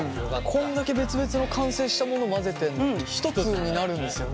こんだけ別々の完成したもの混ぜてんのに一つになるんですよね。